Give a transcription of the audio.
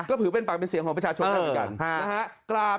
ก็ถือเป็นปากเป็นเสียงของประชาชนได้เหมือนกันนะฮะ